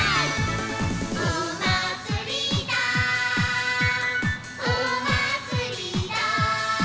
「おまつりだおまつりだ」